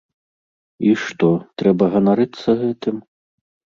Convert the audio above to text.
І што, трэба ганарыцца гэтым?